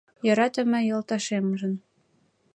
Йӧратыме йолташемжын